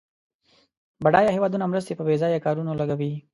بډایه هېوادونه مرستې په بیځایه کارونو لګوي.